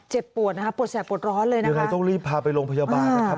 เจ็บปวดนะครับปวดแสดกปวดร้อนเลยนะครับอย่างไรต้องรีบพาไปโรงพยาบาลนะครับ